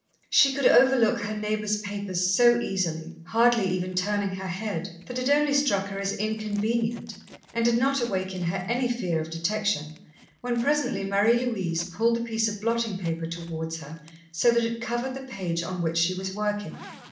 She could overlook her neighbour's papers so easily, hardly even turning her head, that it only struck her as inconvenient, and did not awake in her any fear of detection, when presently Marie Louise pulled a piece of blotting paper towards her so that it covered the page on which she was working.